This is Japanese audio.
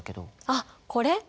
あっこれ？